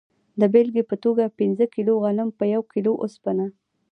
د بیلګې په توګه پنځه کیلو غنم په یوه کیلو اوسپنه.